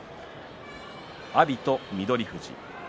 阿炎と翠富士。